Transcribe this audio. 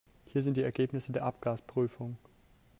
Hier sind die Ergebnisse der Abgasprüfung.